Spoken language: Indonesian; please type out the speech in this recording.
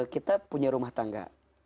kita punya rumah tangga